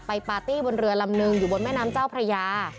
ปาร์ตี้บนเรือลำนึงอยู่บนแม่น้ำเจ้าพระยา